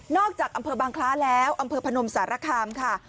จากอำเภอบางคล้าแล้วอำเภอพนมสารคามค่ะ